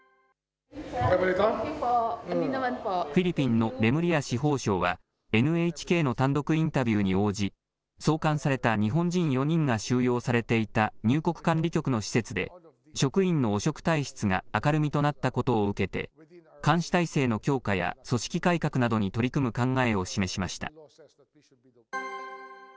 フィリピンのレムリア司法相は、ＮＨＫの単独インタビューに応じ、送還された日本人４人が収容されていた入国管理局の施設で、職員の汚職体質が明るみとなったことを受けて、監視態勢の強化や組織改革などに取り組む考えを示しました。